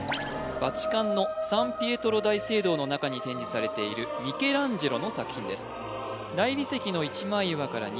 バチカンのサン・ピエトロ大聖堂の中に展示されているミケランジェロの作品です